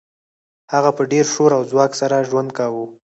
هغه په ډیر شور او ځواک سره ژوند کاوه